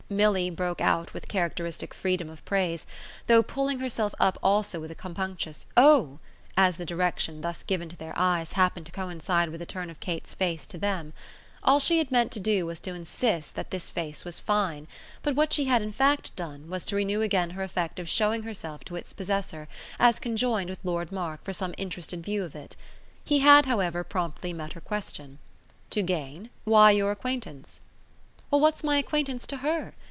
Milly broke out with characteristic freedom of praise, though pulling herself up also with a compunctious "Oh!" as the direction thus given to their eyes happened to coincide with a turn of Kate's face to them. All she had meant to do was to insist that this face was fine; but what she had in fact done was to renew again her effect of showing herself to its possessor as conjoined with Lord Mark for some interested view of it. He had, however, promptly met her question. "To gain? Why your acquaintance." "Well, what's my acquaintance to HER?